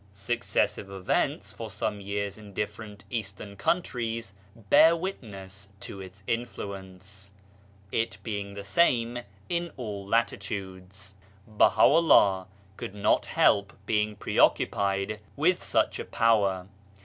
Successive events for some years in different Eastern countries bear witness to its influence, it being the same in all latitudes. Baha'u'llah could not help being preoccupied with such a power.